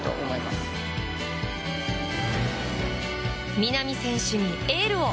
南選手にエールを！